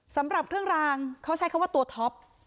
สำหรับเครื่องรางเขาใช้คำว่าตัวท็อป